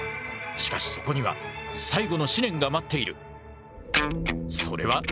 しかしそこには最後の試練が待っている。